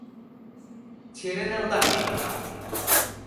ছেড়ে দাও তাকে।